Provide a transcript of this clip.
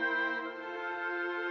oh ini dong